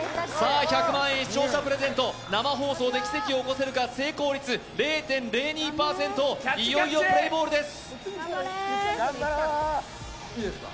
１００万円視聴者プレゼント、生放送で奇跡を起こせるか、成功率０．０２％、いよいよプレーボールです。